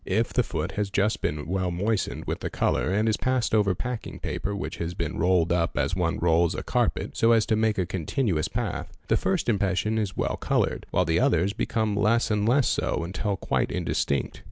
If the foot has just been ' well moistened with the colour and is passed over packing paper which has been rolled up as one rolls a carpet, so as to make a continuous path, the first impression is well coloured, while the others become less and less so until quite indistinct.